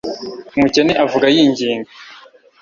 umukene avuga yinginga